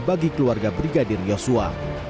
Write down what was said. bagi keluarga brigadir yosua